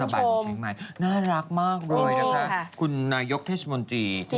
บริหารจัดการดีมาก